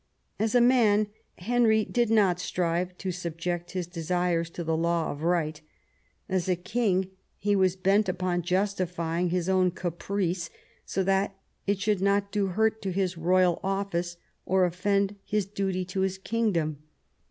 As a man, Henry did not strive to subject his desires to the law of right ; as a king, he was bent upon justifying his own caprice so Idiat it should not do hurt to his royal office, or offend his duty to his kingdom.